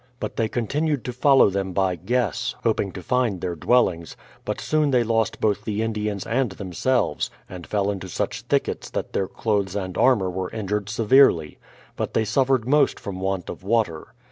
But they con tinued to follow them by guess, hoping to find their dwel lings ; but soon they lost both the Indians and themselves, and fell into such thickets that their clothes and armour were injured severely; but they suffered most from want of w'ater.